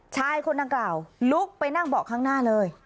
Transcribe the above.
ชายคนดังกล่าวลุกไปนั่งเบาะข้างหน้าเลย